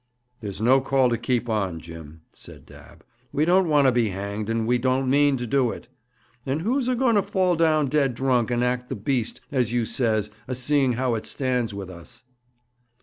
'There's no call to keep on, Jim,' said Dabb; 'we don't want to be hanged, and we don't mean to do it. And who's a going to fall down dead drunk, and act the beast, as you says, a seeing how it stands with us?'